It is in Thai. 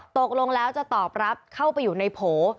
ตกลงแล้วจะตอบรับเข้าไปอยู่ในโผล่